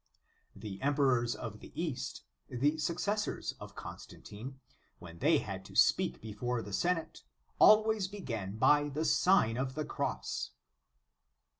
The emperors of the East, the successors of Constantine, when they had to speak before the Senate, always began by the Sign of the Cross.